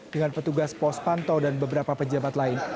dengan petugas pos pantau dan beberapa pejabat lain